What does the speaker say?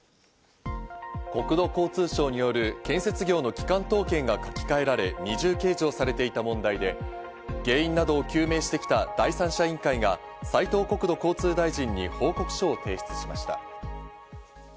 国土交通省による建設業の基幹統計が書き換えられ二重計上されていた問題で原因などを究明して来た第三者委員会が斉藤国土交通大臣に報告書を提出しました。